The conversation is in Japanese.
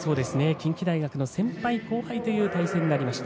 近畿大学の先輩後輩という対戦になりました。